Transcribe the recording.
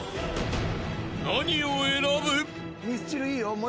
［何を選ぶ？］